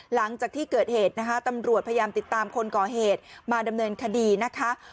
หลังจากที่เกิดเหตุนะคะตำรวจพยายามติดตามคนก่อเหตุมาดำเนินคดีนะคะ